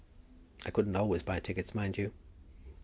"I couldn't always buy tickets, mind you."